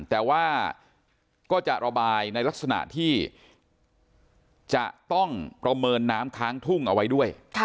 แต่ว่าก็จะระบายในลักษณะที่จะต้องประเมินน้ำค้างทุ่งเอาไว้ด้วย